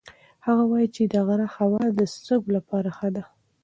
هغه وایي چې د غره هوا د سږو لپاره ښه ده.